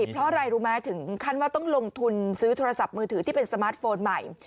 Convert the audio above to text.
เพราะอะไรรู้ไหมถึงขั้นว่าต้องลงทุนซื้อโทรศัพท์มือถือที่เป็นสมาร์ทโฟนใหม่